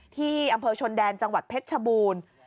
ที่อำเภอชนแดนจังหวัดเพชรชบูรณ์